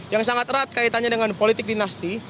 yang sangat erat kaitannya dengan politik dinasti